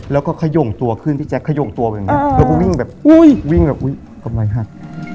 แล้วก็ขยงตัวขึ้นพี่แจ๊คขยงตัวแบบนี้แล้วก็วิ่งแบบกำไรหัก